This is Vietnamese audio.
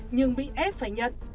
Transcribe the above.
nhưng bị ép phải nhận